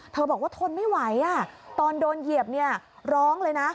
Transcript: บอกว่าทนไม่ไหวตอนโดนเหยียบร้องเลยนะ